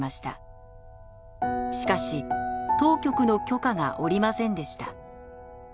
しかし当局の許可が下りませんでした。